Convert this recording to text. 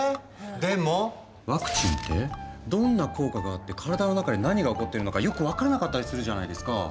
でもワクチンってどんな効果があって体の中で何が起こってるのかよく分からなかったりするじゃないですか。